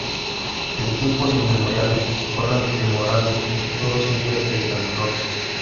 Desde tiempos inmemoriales se corre en Morales los toros el día de San Roque.